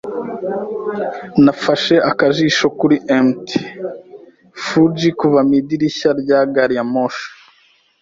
Nafashe akajisho kuri Mt. Fuji kuva mu idirishya rya gari ya moshi.